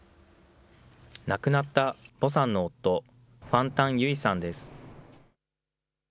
亡くなったヴォさんの夫、ファン・タン・ユィさんです。